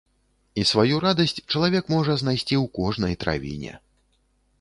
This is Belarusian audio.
І сваю радасць чалавек можа знайсці ў кожнай травіне.